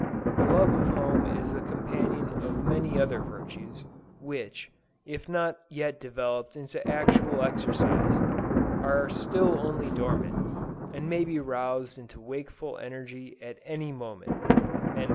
The love of home is the companion of many other virtues, which, if not yet developed into actual exercise, are still only dormant, and may be roused into wakeful energy at any moment."